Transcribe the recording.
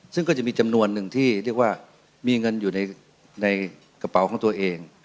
ซึ่งก็จะมีจำนวนหนึ่งที่เรียกว่ามีเงินอยู่ในกระเป๋าของตัวเอง